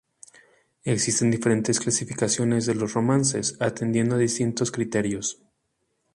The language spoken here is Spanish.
Existen diferentes clasificaciones de los romances atendiendo a distintos criterios.